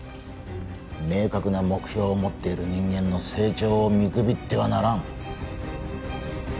明確な目標を持っている人間の成長を見くびってはならん。